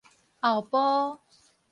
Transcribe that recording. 後埔